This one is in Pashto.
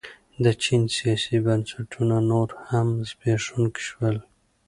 د چین سیاسي بنسټونه نور هم زبېښونکي شول.